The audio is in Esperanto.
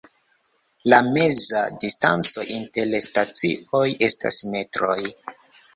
La meza distanco inter stacioj estas metroj.